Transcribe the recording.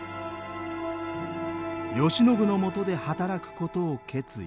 慶喜のもとで働くことを決意。